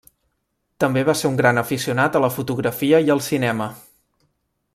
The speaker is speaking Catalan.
També va ser un gran aficionat a la fotografia i al cinema.